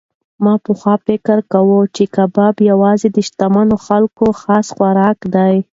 ما پخوا فکر کاوه چې کباب یوازې د شتمنو خلکو خاص خوراک دی.